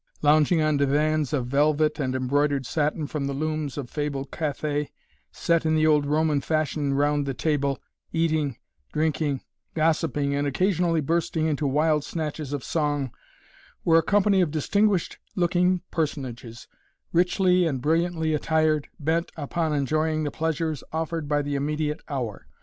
Lounging on divans of velvet and embroidered satin from the looms of fabled Cathay, set in the old Roman fashion round the table, eating, drinking, gossiping and occasionally bursting into wild snatches of song, were a company of distinguished looking personages, richly and brilliantly attired, bent upon enjoying the pleasures offered by the immediate hour.